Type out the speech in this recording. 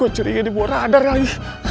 gua curiga dibawa radar lagi